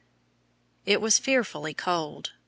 It was fearfully cold.